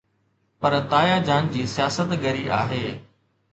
پر تايا جان جي سياست ڳري رهي.